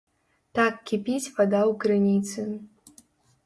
Так кіпіць вада ў крыніцы.